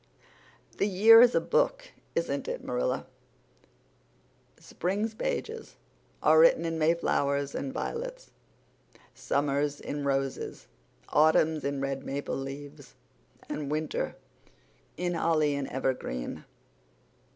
"The year is a book, isn't it, Marilla? Spring's pages are written in Mayflowers and violets, summer's in roses, autumn's in red maple leaves, and winter in holly and evergreen."